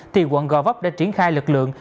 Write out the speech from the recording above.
thì quận gò vóc đã triển khai lực lượng